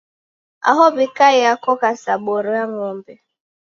Aho w'ikaiya koka sa boro ya ng'ombe.